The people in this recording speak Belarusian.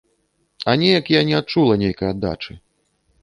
А неяк я не адчула нейкай аддачы.